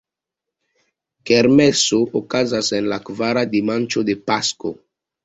Kermeso okazas en la kvara dimanĉo de Pasko.